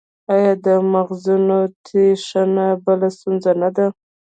آیا د مغزونو تیښته بله ستونزه نه ده؟